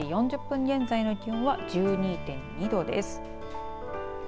１時４０分現在の気温は１２．２度です。